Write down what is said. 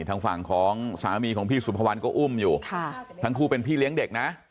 ทางฝั่งของสามีของพี่สุภวรรณก็อุ้มอยู่ทั้งคู่เป็นพี่เลี้ยงเด็กนะ